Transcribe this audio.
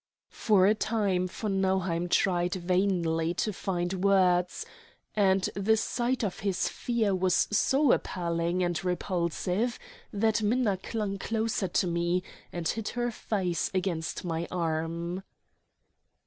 For a time von Nauheim tried vainly to find words, and the sight of his fear was so appalling and repulsive that Minna clung closer to me, and hid her face against my arm.